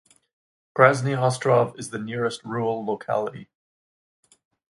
Krasny Ostrov is the nearest rural locality.